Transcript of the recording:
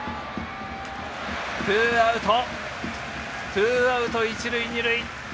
ツーアウト、一塁二塁。